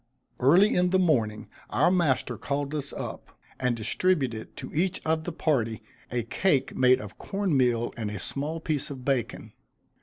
Early in the morning, our master called us up; and distributed to each of the party a cake made of corn meal and a small piece of bacon.